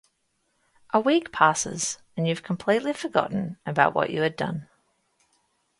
A week passes and you have completely forgotten about what you had done.